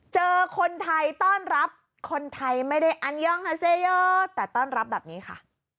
เจอคนไทยต้อนรับคนไทยไม่ได้อันย่องฮาเซโยแต่ต้อนรับแบบนี้ค่ะ